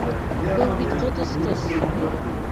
Был бит ҡот осҡос!